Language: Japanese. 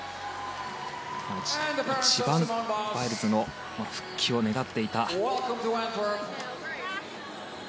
一番バイルズの復帰を願っていた。